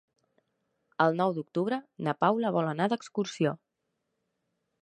El nou d'octubre na Paula vol anar d'excursió.